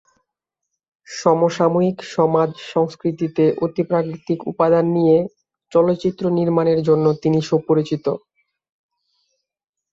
সমসাময়িক সমাজ সংস্কৃতিতে অতিপ্রাকৃত উপাদান নিয়ে চলচ্চিত্র নির্মাণের জন্য তিনি সুপরিচিত।